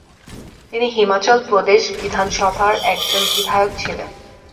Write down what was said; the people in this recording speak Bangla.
তিনি হিমাচল প্রদেশ বিধানসভার একজন বিধায়ক ছিলেন।